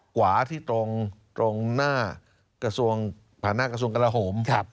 ขวาที่ตรงหน้าผ่านหน้ากระทรวงกระโหม